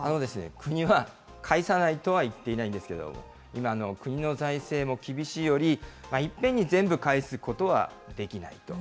国は返さないとは言ってないんですけど、今の国の財政も厳しい折、いっぺんに全部返すことはできないと。